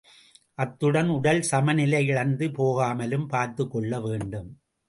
அத்துடன், உடல் சமநிலை இழந்து போகாமலும் பார்த்துக்கொள்ள வேண்டும்.